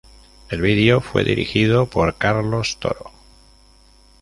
El video fue dirigido por Carlos Toro.